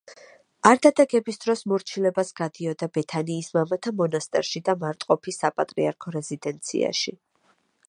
არდადეგების დროს მორჩილებას გადიოდა ბეთანიის მამათა მონასტერში და მარტყოფის საპატრიარქო რეზიდენციაში.